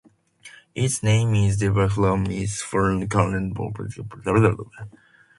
Its name is derived from its fluorine content and relation to richterite.